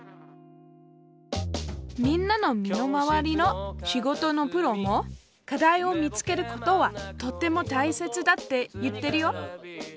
みんなの身の回りの仕事のプロも課題を見つけることはとってもたいせつだって言ってるよ。